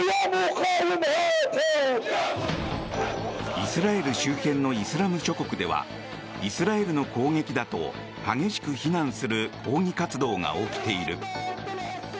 イスラエル周辺のイスラム諸国ではイスラエルの攻撃だと激しく非難する抗議活動が起きている。